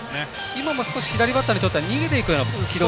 今も少し左バッターにとっては逃げていくような軌道。